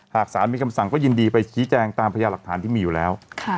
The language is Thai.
หากสารมีคำสั่งก็ยินดีไปชี้แจงตามพยาหลักฐานที่มีอยู่แล้ว